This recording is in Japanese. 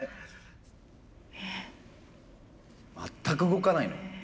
全く動かないのよ